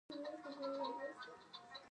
ژوندي د ژوند حقیقتونه درک کوي